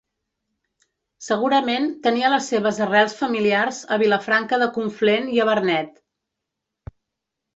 Segurament tenia les seves arrels familiars a Vilafranca de Conflent i a Vernet.